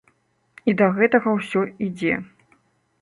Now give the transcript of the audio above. І да гэтага ўсё ідзе.